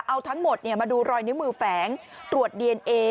เอาทั้งหมดมาดูรอยนิ้วมือแฝงตรวจดีเอนเอ